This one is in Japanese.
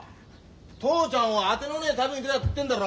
父ちゃんは当てのねえ旅に出たっつってんだろ。